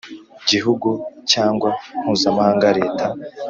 Gihugu cyangwa mpuzamahanga leta